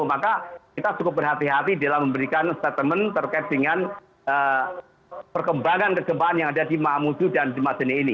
maka kita cukup berhati hati dalam memberikan statement terkait dengan perkembangan kegempaan yang ada di mamuju dan di majene ini